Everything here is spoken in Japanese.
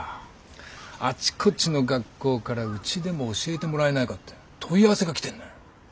あちこちの学校からうちでも教えてもらえないかって問い合わせが来てんのよ。